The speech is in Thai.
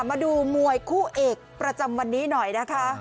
มาดูมวยคู่เอกประจำวันนี้หน่อยนะคะ